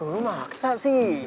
lo maksa sih